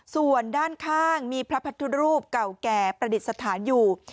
ส่วนด้านข้างมีพระพุทธรูปเก่าแก่ประดิษฐานอยู่